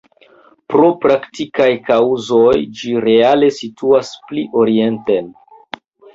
Pro praktikaj kaŭzoj ĝi reale situas pli orienten.